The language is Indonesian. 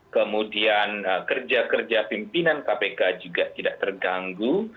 kemudian kerja kerja pimpinan kpk juga tidak terganggu